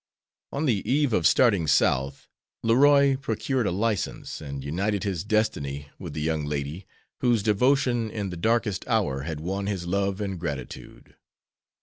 On the eve of starting South Leroy procured a license, and united his destiny with the young lady whose devotion in the darkest hour had won his love and gratitude.